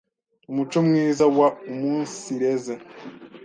Umuco mwiza wa umunsireze,